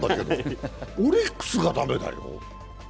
オリックスが駄目だよ。